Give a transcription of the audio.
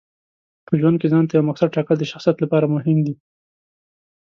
په ژوند کې ځانته یو مقصد ټاکل د شخصیت لپاره مهم دي.